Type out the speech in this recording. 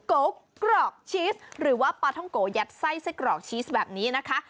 โกกรอกชีสหรือว่าปลาท่องโกยัดไส้ไส้กรอกชีสแบบนี้นะคะ